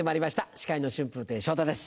司会の春風亭昇太です。